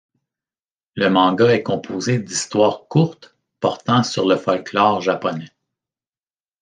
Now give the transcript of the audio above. Le manga est composé d'histoires courtes portant sur le folklore japonais.